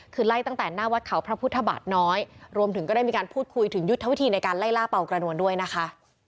คือไล่ตั้งแต่หน้าวัดเขาพระพุทธบาทน้อยรวมถึงก็ได้มีการพูดคุยถึงยุทธวิธีในการไล่ล่าเป่ากระนวลด้วยนะคะ